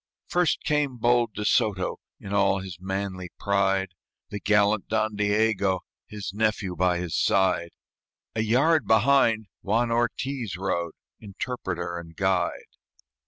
First came the bold De Soto, In all his manly pride, The gallant Don Diego, His nephew, by his side; A yard behind Juan Ortiz rode, Interpreter and guide.